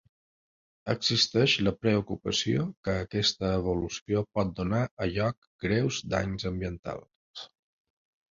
Existeix la preocupació que aquesta evolució pot donar a lloc greus danys ambientals.